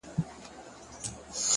عثمان خيالي د چا دسترګـو په شان